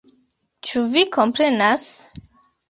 Ĉu vi komprenas??